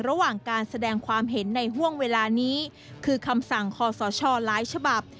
ระหว่างการแสดงความเห็นในห่วงเวลานี้คือคำสั่งคอสชหลายฉบับ